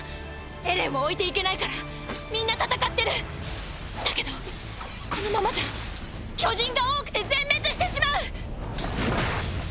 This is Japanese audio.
エレンを置いていけないからみんな戦ってる！だけどこのままじゃ巨人が多くて全滅してしまう！